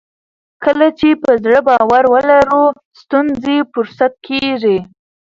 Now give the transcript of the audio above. کله چې په زړه باور ولرو ستونزې فرصت کیږي.